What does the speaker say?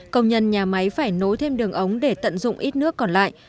tuy nhiên nhà máy phải nối thêm đường ống để tận dụng ít nước còn lại